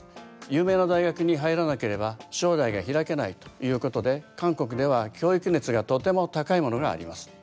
有名な大学に入らなければ将来が開けないということで韓国では教育熱がとても高いものがあります。